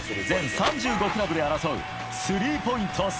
全３５クラブで争うスリーポイント